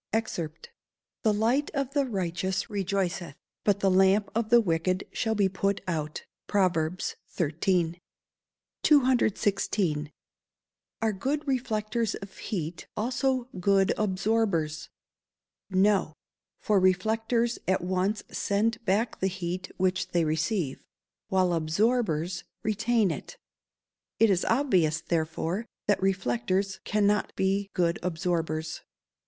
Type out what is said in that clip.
[Verse: "The light of the righteous rejoiceth, but the lamp of the wicked shall be put out." PROVERBS XIII.] 216. Are good reflectors of heat also good absorbers? No; for reflectors at once send back the heat which they receive, while absorbers retain it. It is obvious, therefore, that reflectors cannot be good absorbers.